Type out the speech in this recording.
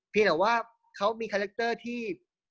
แต่ว่าเขามีคาแรคเตอร์ที่